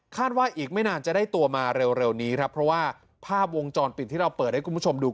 ว่าอีกไม่นานจะได้ตัวมาเร็วนี้ครับเพราะว่าภาพวงจรปิดที่เราเปิดให้คุณผู้ชมดู